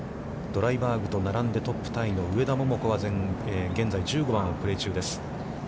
ドライバーグと並んでトップタイの上田桃子は、現在、１５番をプレー中です。